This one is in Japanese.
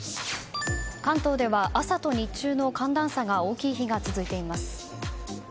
関東では、朝と日中の寒暖差が大きい日が続いています。